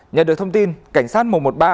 nhận được thông tin cảnh sát mùa một ba